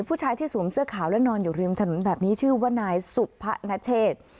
ผู้ชายที่สวมเสื้อขาวและนอนอยู่ริมถนนแบบนี้ชื่อว่านายสุพะนเชษ